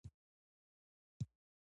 زمرد د افغانستان یوه طبیعي ځانګړتیا ده.